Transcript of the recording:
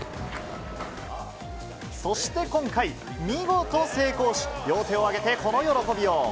そして今回、見事成功し、両手を挙げて、この喜びよう。